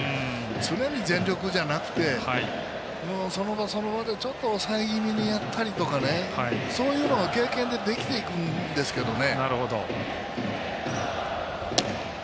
常に全力じゃなくてその場その場で、ちょっと抑え気味にやったりとかねそういうのが経験でできていくんですけどね。